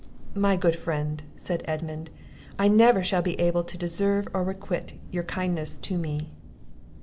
"My good friend," said Edmund, "I never shall be able to deserve or requite your kindness to me."